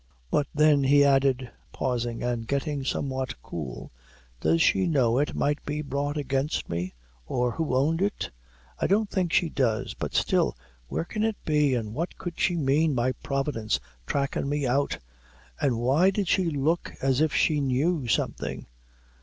But then," he added, pausing, and getting somewhat cool "does she know it might be brought against me, or who owned it? I don't think she does; but still, where can it be, and what could she mane by Providence trackin' me out? an' why did she look as if she: knew something?